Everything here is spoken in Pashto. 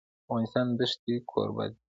افغانستان د ښتې کوربه دی.